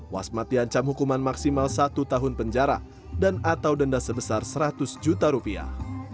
wasmat diancam hukuman maksimal satu tahun penjara dan atau denda sebesar seratus juta rupiah